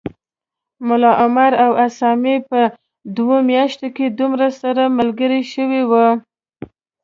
ملا عمر او اسامه په دوو میاشتو کي دومره سره ملګري شوي و